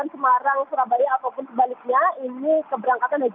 ini keberangkatan dan juga keberhentian dilakukan di alat luar